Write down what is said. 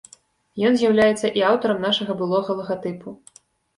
Ён з'яўляецца і аўтарам нашага былога лагатыпу.